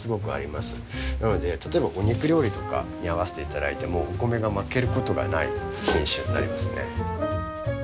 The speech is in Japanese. なので例えばお肉料理とかに合わせて頂いてもお米が負けることがない品種になりますね。